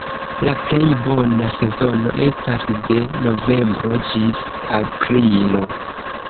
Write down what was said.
La plej bona sezono estas de novembro ĝis aprilo.